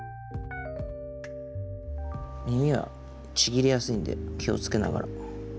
耳はちぎれやすいんで気をつけながら。